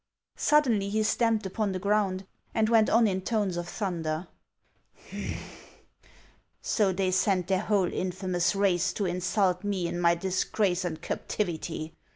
Suddenly he stamped upon the ground, and went on in tones of thunder :" So they send their whole infamous race to insult me in my disgrace and captivity